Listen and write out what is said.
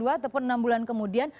ataupun enam bulan kemudian